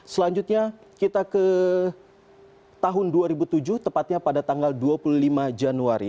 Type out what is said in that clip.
selanjutnya kita ke tahun dua ribu tujuh tepatnya pada tanggal dua puluh lima januari